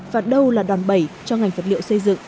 và đâu là đòn bẩy cho ngành vật liệu xây dựng